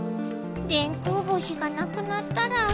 電空星がなくなったら。